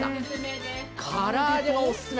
唐揚げがオススメ。